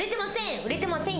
売れてません。